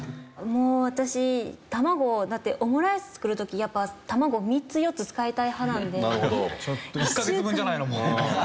もう私卵だってオムライス作る時やっぱ卵３つ４つ使いたい派なので。